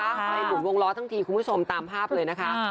ไปหลุมวงล้อทั้งทีคุณผู้ชมตามภาพเลยนะคะ